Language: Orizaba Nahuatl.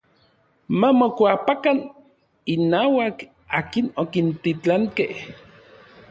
Ma mokuapakan innauak akin okintitlankej.